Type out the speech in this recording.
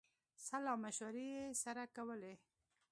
سلامشورې یې سره کولې.